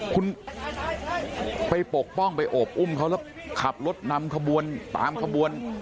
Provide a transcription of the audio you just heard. คุณไปปกป้องไปโอบอุ้มเขาแล้วขับรถนำขบวนตามขบวน